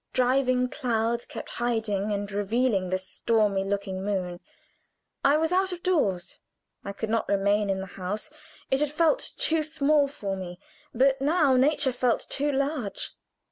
Driving clouds kept hiding and revealing the stormy looking moon. I was out of doors. I could not remain in the house; it had felt too small for me, but now nature felt too large.